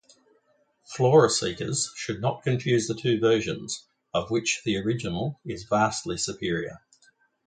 Flora-seekers should not confuse the two versions, of which the original is vastly superior.